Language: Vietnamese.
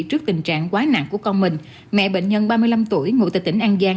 trước tình trạng quá nặng của con mình mẹ bệnh nhân ba mươi năm tuổi ngụ tại tỉnh an giang